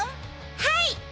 はい！